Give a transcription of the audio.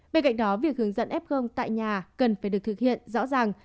bên cạnh đó việc hướng dẫn f tại nhà cần phải được thực hiện rõ ràng